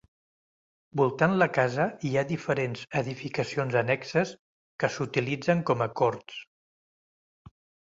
Voltant la casa hi ha diferents edificacions annexes que s'utilitzen com a corts.